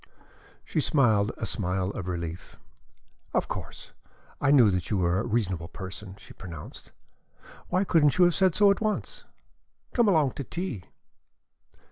She smiled a smile of relief. "Of course I knew that you were a reasonable person," she pronounced. "Why couldn't you have said so at once? Come along to tea."